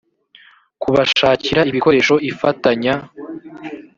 kubashakira ibikoresho ifatanya